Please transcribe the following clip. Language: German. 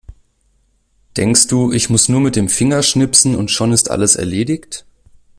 Denkst du, ich muss nur mit dem Finger schnipsen und schon ist alles erledigt?